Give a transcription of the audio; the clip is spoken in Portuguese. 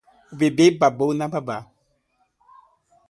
O bebê babou na babá